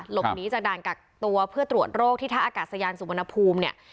หลบหนีจากด่านกักตัวเพื่อตรวจโรคที่ท่าอากาศยานสุวรรณภูมิเนี่ย